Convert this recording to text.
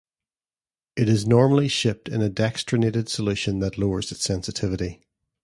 It is normally shipped in a dextrinated solution that lowers its sensitivity.